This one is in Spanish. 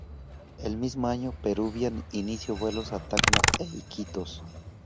El mismo año Peruvian inicio vuelos a Tacna e Iquitos.